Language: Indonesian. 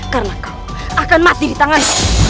karena kau akan masih di tangan